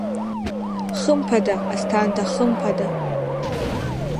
Хымԥада, Асҭанда, хымԥада…